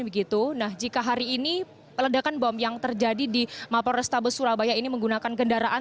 begitu nah jika hari ini ledakan bom yang terjadi di mapol restabes surabaya ini menggunakan kendaraan